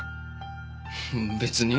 別に。